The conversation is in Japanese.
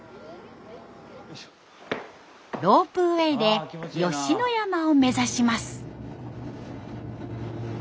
ロープウエーで吉野山を目指します。